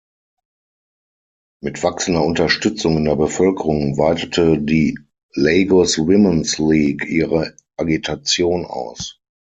Mit wachsender Unterstützung in der Bevölkerung weitete die Lagos Women's League ihre Agitation aus.